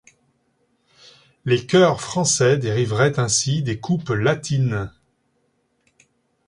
Les cœurs français dériveraient ainsi des coupes latines.